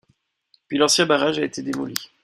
Puis l'ancien barrage a été démoli.